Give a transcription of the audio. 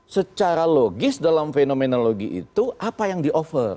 secara logis dalam fenomenologi itu apa yang di over